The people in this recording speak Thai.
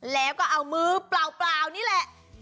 แล้วก็เอามือเปล่านี่แหละ